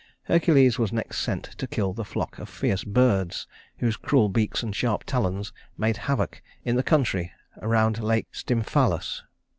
Hercules was next sent to kill the flock of fierce birds whose cruel beaks and sharp talons made havoc in the country around Lake Stymphalus.